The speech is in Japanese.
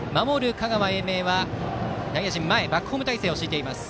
香川・英明は内野陣バックホーム態勢を敷いています。